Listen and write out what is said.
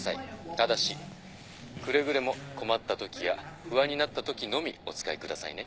ただしくれぐれも困ったときや不安になったときのみお使いくださいね。